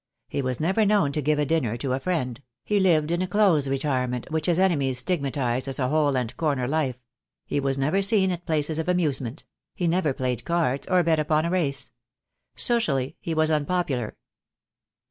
He was never known to give a dinner to a friend; he lived in a close retirement which his enemies stigmatized as a hole and corner life; he was never seen at places of amusement; he never played cards, or bet upon a race. Socially he was unpopular.